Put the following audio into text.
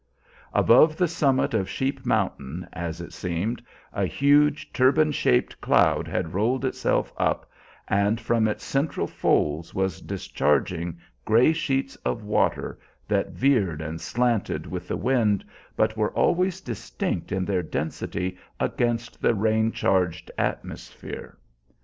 Above the summit of Sheep Mountain, as it seemed, a huge turban shaped cloud had rolled itself up, and from its central folds was discharging gray sheets of water that veered and slanted with the wind, but were always distinct in their density against the rain charged atmosphere.